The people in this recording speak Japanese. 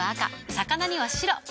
魚には白。